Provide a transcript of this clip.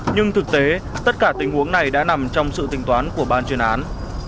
nhưng thực tế tất cả tình huống này đã nằm trong sự tình toán của ban truyền án